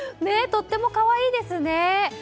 とっても可愛いですね！